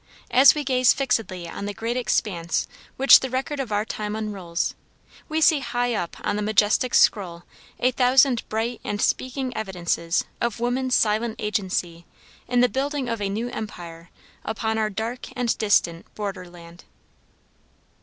As we gaze fixedly on the great expanse which the record of our time unrolls, we see high up on the majestic scroll a thousand bright and speaking evidences of woman's silent agency in the building of a new empire upon our dark and distant borderland.